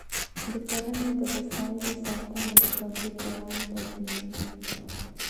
د کرنې د وسایلو ساتنه د تولید دوام تضمینوي.